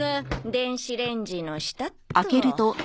電子レンジの下っと。